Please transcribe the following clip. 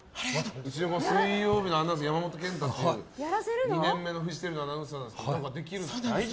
水曜日のアナウンサー山本賢太という２年目のフジテレビのアナウンサーなんですけど何か、できるって。